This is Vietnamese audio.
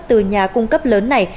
từ nhà cung cấp lớn này